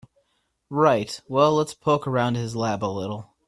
Right, well let's poke around his lab a little.